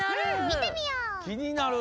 見てみよう！